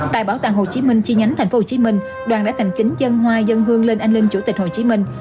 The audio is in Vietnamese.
tại bảo tàng hồ chí minh chi nhánh tp hcm đoàn đã thành kính dân hoa dân hương lên anh linh chủ tịch hồ chí minh